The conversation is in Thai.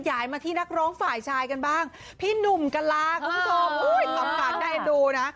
ยายมาที่นักร้องฝ่ายชายกันบ้างพี่หนุ่มกะลาคุณผู้ชมอุ้ยทำการน่าเอ็นดูนะ